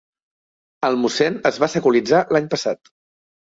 El mossèn es va secularitzar l'any passat.